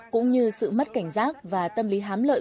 cũng như sự mất cảnh giác và tâm lý hám lợi